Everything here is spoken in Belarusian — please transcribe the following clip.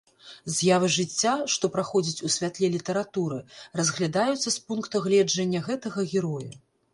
З'явы жыцця, што праходзяць у святле літаратуры, разглядаюцца з пункта гледжання гэтага героя.